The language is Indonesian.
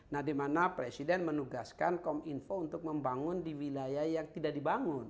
nah di mana presiden menugaskan kominfo untuk membangun di wilayah yang tidak dibangun